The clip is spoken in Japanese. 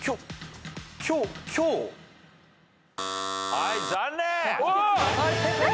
はい残念。